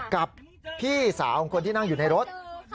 กับพี่สาวของคนที่นั่งอยู่ในรถ